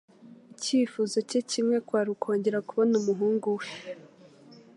Icyifuzo cye kimwe kwari ukongera kubona umuhungu we.